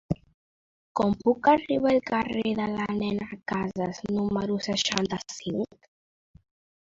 Com puc arribar al carrer de la Nena Casas número seixanta-cinc?